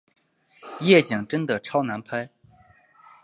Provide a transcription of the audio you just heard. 夜景真的超难拍